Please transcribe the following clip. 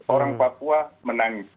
orang papua menangis